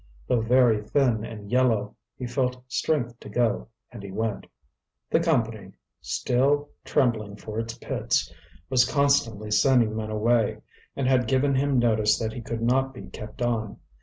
Though very thin and yellow, he felt strength to go, and he went. The Company, still trembling for its pits, was constantly sending men away, and had given him notice that he could not be kept on.